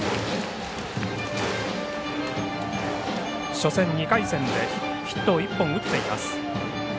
初戦、２回戦でヒットを１本、打っています。